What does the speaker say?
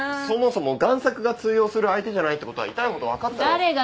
そもそも贋作が通用する相手じゃないってことは痛いほど分かったろ。